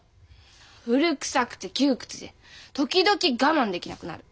古くさくて窮屈で時々我慢できなくなる。